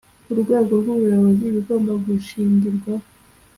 Ku rwego rw ubuyobozi ibigomba gushingirwaho